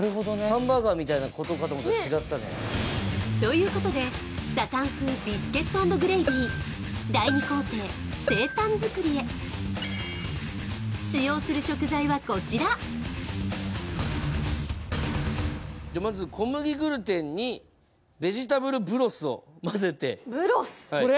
ハンバーガーみたいなことかと思ったら違ったねということでサタン風ビスケット＆グレイビー第２工程セイタン作りへ使用する食材はこちらまず小麦グルテンにベジタブルブロスを混ぜてブロスこれ？